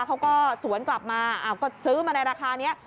เขาก็สวนกลับมาก็ซื้อมาในราคานี้